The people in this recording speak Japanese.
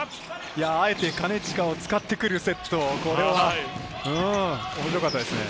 あえて金近を使ってくるセット、これは面白かったですね。